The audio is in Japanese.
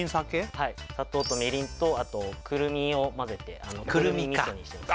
はい砂糖とみりんとあとくるみをまぜてくるみ味噌にしてます